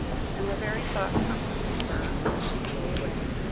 and the very thought comforted her as she flew away.